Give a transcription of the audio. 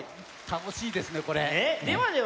たのしいですねこれ。ね！